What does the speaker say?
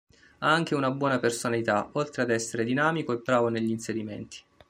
Ha anche una buona personalità oltre ad essere dinamico e bravo negli inserimenti.